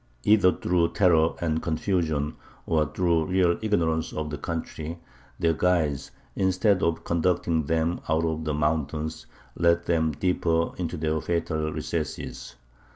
Either through terror and confusion, or through real ignorance of the country, their guides, instead of conducting them out of the mountains, led them deeper into their fatal recesses.